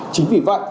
chính vì vậy